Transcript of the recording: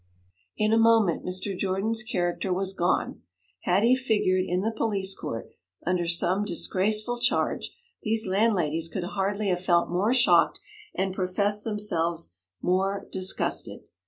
In a moment Mr. Jordan's character was gone; had he figured in the police court under some disgraceful charge, these landladies could hardly have felt more shocked and professed themselves more disgusted.